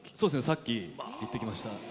さっき行ってきました。